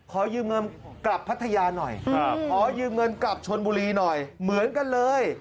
ขอยืมเงินกลับพัทยาหน่อยขอยืมเงินกลับชนบุรีหน่อยเหมือนกันเลย